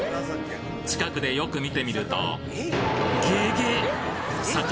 近くでよく見てみると、げげっ！